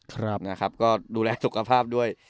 ครับนะครับก็ดูแลสุขภาพด้วย